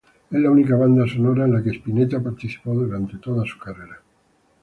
Es la única banda sonora en la que Spinetta participó durante toda su carrera.